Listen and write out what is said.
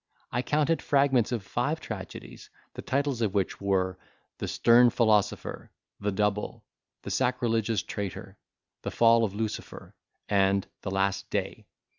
I counted fragments of five tragedies, the titles of which were "The Stern Philosopher," "The Double," "The Sacrilegious Traitor," "The Fall of Lucifer," and "The Last Day."